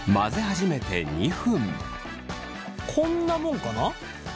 こんなもんかな。